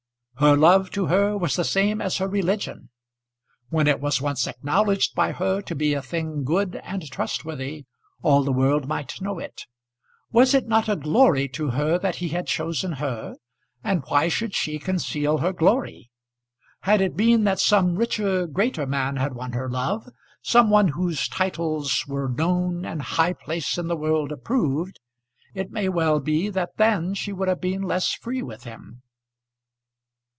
Her love to her was the same as her religion. When it was once acknowledged by her to be a thing good and trustworthy, all the world might know it. Was it not a glory to her that he had chosen her, and why should she conceal her glory? Had it been that some richer, greater man had won her love, some one whose titles were known and high place in the world approved, it may well be that then she would have been less free with him.